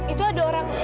itu ada orang